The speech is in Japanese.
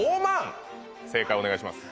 正解お願いします